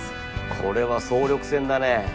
これは総力戦だね。